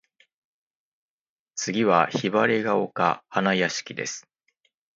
次は雲雀丘花屋敷（ひばりがおかはなやしき）です。